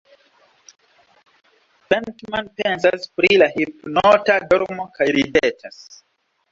Pentman pensas pri la hipnota dormo kaj ridetas.